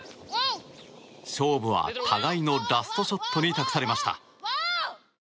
勝負は互いのラストショットに託されました。